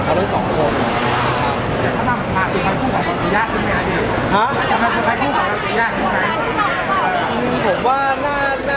แต่ก็รู้สึกว่าเรารู้มีเป็นส่วนหนึ่ง